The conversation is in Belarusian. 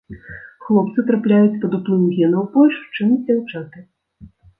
Хлопцы трапляюць пад уплыў генаў больш, чым дзяўчаты.